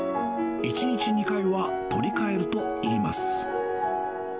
１日２回は取り替えるといいます。